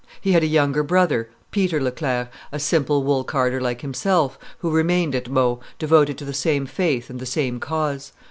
He had a younger brother, Peter Leclerc, a simple wool carder like himself, who remained at Meaux, devoted to the same faith and the same cause.